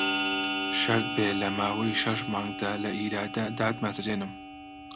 شەرت بێ لە ماوەی شەش مانگدا لە ئیدارە داتمەزرێنم